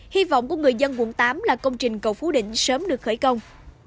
hy vọng của người dân quận tám là công trình cầu phú định sớm được khởi công